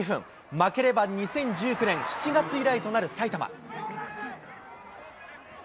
負ければ２０１９年７月以来となる埼玉。